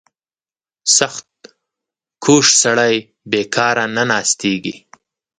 • سختکوش سړی بېکاره نه ناستېږي.